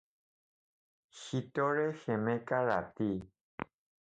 শীতৰে সেমেকা ৰাতি